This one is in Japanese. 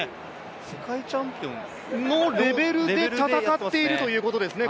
世界チャンピオンのレベルで戦っているということですね。